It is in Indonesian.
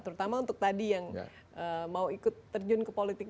terutama untuk tadi yang mau ikut terjun ke politik